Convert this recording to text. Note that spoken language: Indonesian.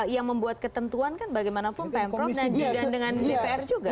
yang membuat ketentuan kan bagaimanapun pemprov dan dengan dpr juga